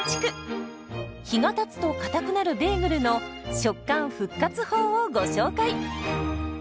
日がたつとかたくなるベーグルの食感復活法をご紹介。